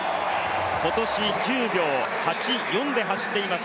今年９秒８４で走っています。